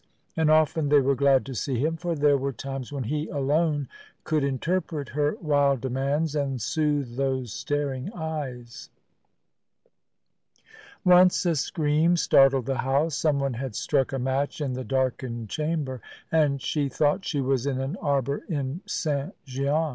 And often they were glad to see him, for there were times when he alone could interpret her wild demands and soothe those staring eyes. Once a scream startled the house. Someone had struck a match in the darkened chamber, and she thought she was in an arbour in St. Gian.